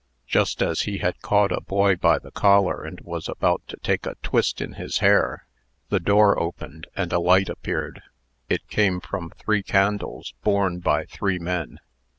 Just as he had caught a boy by the collar, and was about to take a twist in his hair, the door opened, and a light appeared. It came from three candles borne by three men.